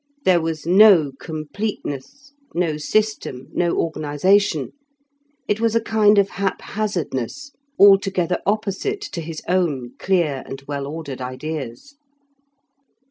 There was no completeness, no system, no organization; it was a kind of haphazardness, altogether opposite to his own clear and well ordered ideas.